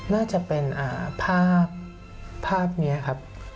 น่าจะเป็นภาพนี้ครับ